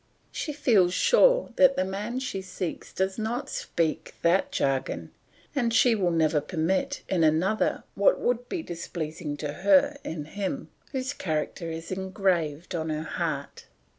She feels sure that the man she seeks does not speak that jargon, and she will never permit in another what would be displeasing to her in him whose character is engraved on her heart.